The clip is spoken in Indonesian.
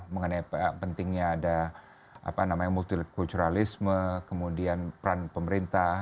mengenai pentingnya ada apa namanya multiculturalisme kemudian peran pemerintah